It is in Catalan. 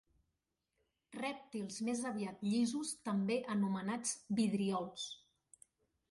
Rèptils més aviat llisos també anomenats vidriols.